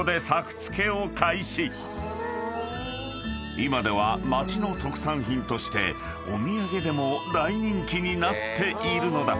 ［今では町の特産品としてお土産でも大人気になっているのだ］